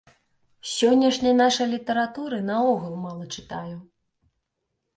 Сённяшняй нашай літаратуры наогул мала чытаю.